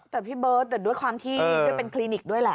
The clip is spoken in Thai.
แต่พี่เบิร์ตแต่ด้วยความที่เป็นคลินิกด้วยแหละ